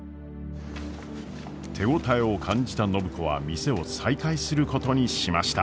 手応えを感じた暢子は店を再開することにしました。